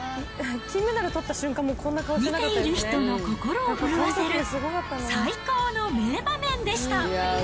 見ている人の心を震わせる最高の名場面でした。